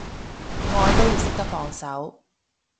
愛都要識得放手